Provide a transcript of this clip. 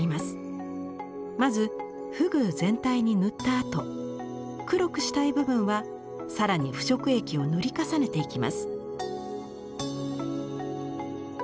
まず河豚全体に塗ったあと黒くしたい部分は更に腐食液を塗り重ねていきます。